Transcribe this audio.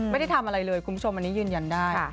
ไม่ได้ทำอะไรเลยคุณผู้ชมอันนี้ยืนยันได้